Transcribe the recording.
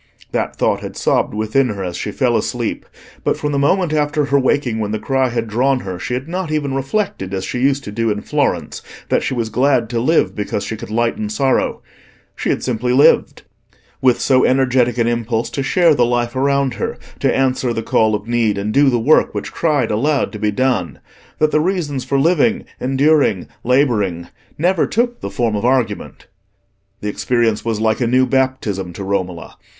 That thought had sobbed within her as she fell asleep, but from the moment after her waking when the cry had drawn her, she had not even reflected, as she used to do in Florence, that she was glad to live because she could lighten sorrow—she had simply lived, with so energetic an impulse to share the life around her, to answer the call of need and do the work which cried aloud to be done, that the reasons for living, enduring, labouring, never took the form of argument. The experience was like a new baptism to Romola.